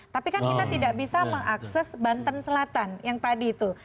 tapi kan kita tidak bisa mengakses banten selatan yang tadi itu